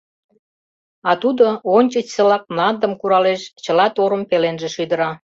А Тудо ончычсылак мландым куралеш, чыла торым пеленже шӱдыра.